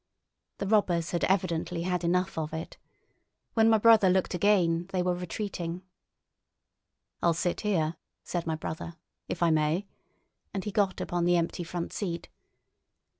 The robbers had evidently had enough of it. When my brother looked again they were retreating. "I'll sit here," said my brother, "if I may"; and he got upon the empty front seat.